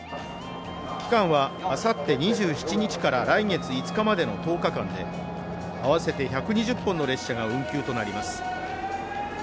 期間はあさって２７日から来月５日までの１０日間で、合わせて１２０本の列車が運休となります。